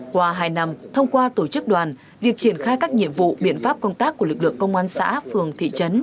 qua hai năm thông qua tổ chức đoàn việc triển khai các nhiệm vụ biện pháp công tác của lực lượng công an xã phường thị trấn